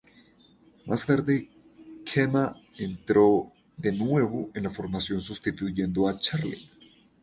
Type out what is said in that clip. Más tarde, Chema entró de nuevo en la formación sustituyendo a Charlie.